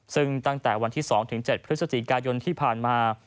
ซึ่งตั้งแต่วันที่๒๗พฤศจิกายนที่ผ่านมา